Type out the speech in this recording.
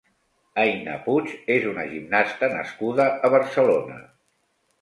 Aina Puig és una gimnasta nascuda a Barcelona.